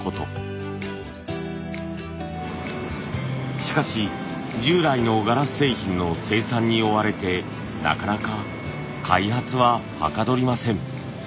しかし従来のガラス製品の生産に追われてなかなか開発ははかどりません。